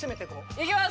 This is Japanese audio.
行きます！